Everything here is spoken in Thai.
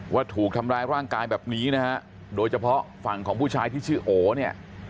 ว่าถูกทำร้ายร่างกายแบบนี้นะฮะโดยเฉพาะฝั่งของผู้ชายที่ชื่อโอเนี่ย